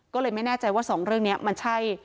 ก็เลยไม่แน่ใจว่าสองเรื่องนี้มันใช่